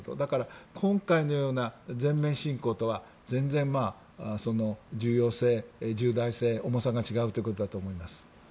今回のような全面侵攻とは、全然重要性、重大性、重さが違うということだと思います。